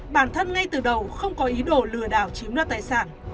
bản thân ngay từ đầu không có ý đồ lừa đảo chiếm đoạt tài sản